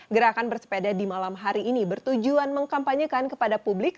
gerakan bersepeda di malam hari ini bertujuan mengkampanyekan kepada publik